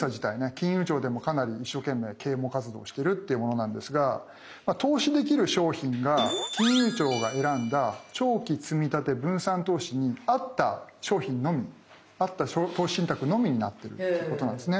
金融庁でもかなり一生懸命啓蒙活動をしてるってものなんですが投資できる商品が金融庁が選んだ長期積立分散投資に合った商品のみ合った投資信託のみになってるっていうことなんですね。